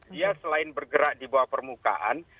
dia selain bergerak di bawah permukaan